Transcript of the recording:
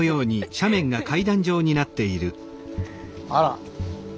あら。